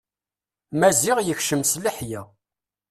Maziɣ yekcem s leḥya.